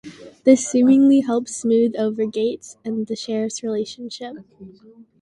This seemingly helps smooth over Gates' and the sheriff's relationship.